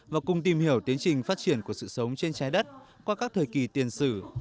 và cùng tìm hiểu tiến trình phát triển của sự sống trên trái đất qua các thời kỳ tiền sử